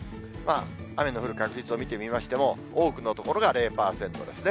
雨の降る確率を見てみましても、多くの所が０％ですね。